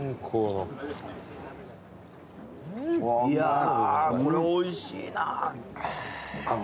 いやーこれおいしいな。